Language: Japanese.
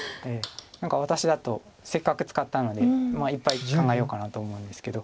何か私だとせっかく使ったのでいっぱい考えようかなと思うんですけど。